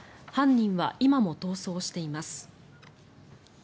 犯人は今も逃走しています。